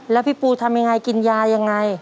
แล้วพี่ปูทำยังไงกินยายังไง